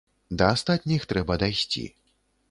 Да астатніх трэба дайсці!